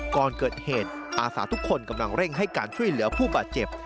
ก่อนเกิดเหตุอาสาทุกคนกำลังเร่งให้การช่วยเหลือผู้บาดเจ็บ